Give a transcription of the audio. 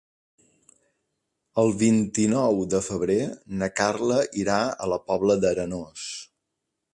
El vint-i-nou de febrer na Carla irà a la Pobla d'Arenós.